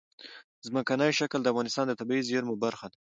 ځمکنی شکل د افغانستان د طبیعي زیرمو برخه ده.